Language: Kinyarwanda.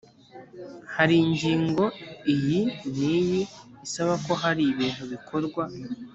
hari ingingo iyi n’iyi isabako hari ibintu bikorwa